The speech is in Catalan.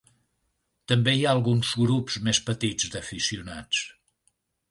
També hi ha alguns grups més petits d'aficionats.